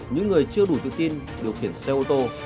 những người chưa đủ tự tin điều khiển xe ô tô